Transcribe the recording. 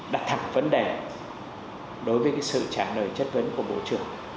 đặt thẳng vấn đề đối với sự trả lời chất vấn của bộ trưởng